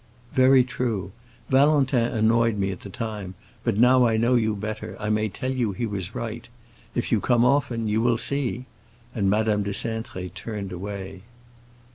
"Very true. Valentin annoyed me at the time, but now I know you better, I may tell you he was right. If you come often, you will see!" and Madame de Cintré turned away.